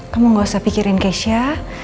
kamu gak usah pikirin keisha